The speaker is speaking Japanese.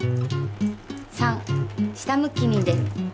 ３「下向きに出る」。